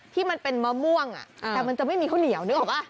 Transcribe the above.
ที่มันเป็นมะม่วงแต่มันจะไม่มีข้าวเหนียวนึกออกป่ะ